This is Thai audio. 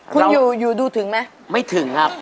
คุณยูดูถึงไหมไม่ถึงครับ